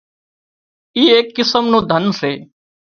اي ايڪ قسم نُون ڌنَ سي